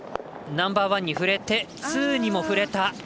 ナンバーワンに触れてツーにも触れた。